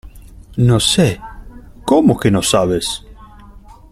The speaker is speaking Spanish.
No sé. ¿ cómo que no sabes?